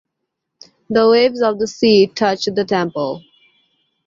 The waves of the sea touch the temple.